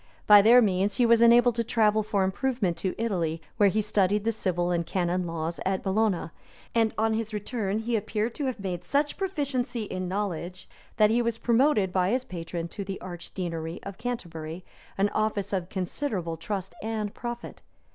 By their means he was enabled to travel for improvement to Italy, where he studied the civil and canon law at Bologna; and on his return he appeared to have made such proficiency in knowledge, that he was promoted by his patron to the archdeaconry of Canterbury, an office of considerable trust and profit.